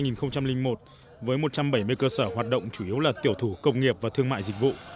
điểm công nghiệp la phù hình thành từ năm hai nghìn một với một trăm bảy mươi cơ sở hoạt động chủ yếu là tiểu thủ công nghiệp và thương mại dịch vụ